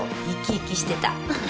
生き生きしてた。